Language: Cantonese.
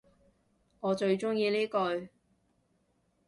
我最鍾意呢句